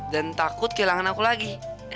dan takut kehilangan aku lagi